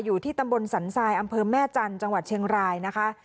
อยู่ที่ตำบลสันทรายอำเภอแม่จันทร์จังหวัดเชียงรายนะคะ